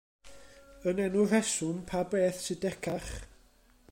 Yn enw rheswm, pa beth sy decach?